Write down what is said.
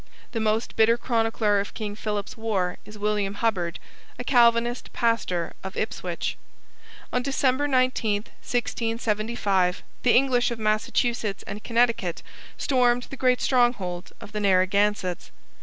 The most bitter chronicler of King Philip's War is William Hubbard, a Calvinist pastor of Ipswich. On December 19, 1675, the English of Massachusetts and Connecticut stormed the great stronghold of the Narragansetts.